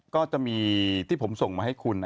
ก็จะมีที่ผมส่งมาให้คุณ